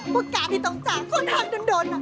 ว่ากฎิตต่อจากคนหายโดน